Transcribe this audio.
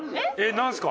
何すか？